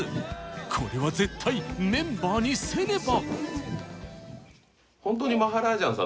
これは絶対メンバーにせねば！